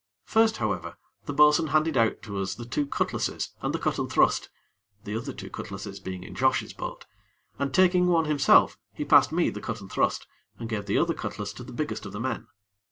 First, however, the bo'sun handed out to us the two cutlasses and the cut and thrust (the other two cutlasses being in Josh's boat), and, taking one himself, he passed me the cut and thrust, and gave the other cutlass to the biggest of the men.